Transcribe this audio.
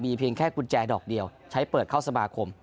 เพียงแค่กุญแจดอกเดียวใช้เปิดเข้าสมาคม